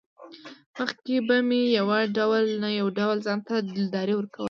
مخکې به مې يو ډول نه يو ډول ځانته دلداري ورکوه.